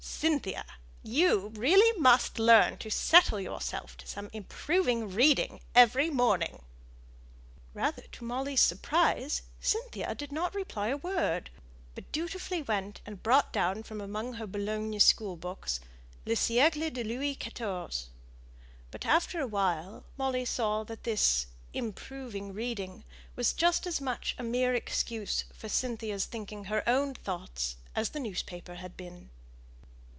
Cynthia, you really must learn to settle yourself to some improving reading every morning." Rather to Molly's surprise, Cynthia did not reply a word; but dutifully went and brought down from among her Boulogne school books, Le SiĆcle de Louis XIV. But after a while, Molly saw that this "improving reading" was just as much a mere excuse for Cynthia's thinking her own thoughts as the newspaper had been.